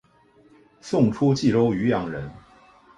宋初蓟州渔阳人。